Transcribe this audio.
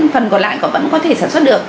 phần còn lại vẫn có thể sản xuất được